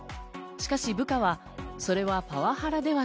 しかし部下はそれはパワハラでは？